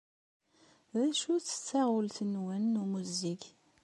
D acu-tt taɣult-nwen n ummuzzeg?